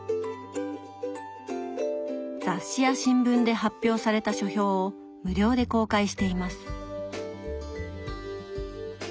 雑誌や新聞で発表された書評を無料で公開しています。